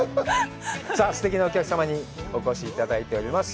さあ、すてきなお客様にお越しいただいています。